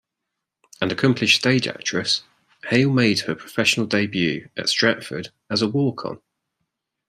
An accomplished stage actress, Hale made her professional debut at Stratford as a walk-on.